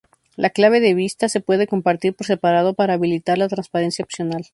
La clave de vista se puede compartir por separado para habilitar la transparencia opcional.